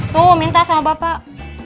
tuh minta sama bapak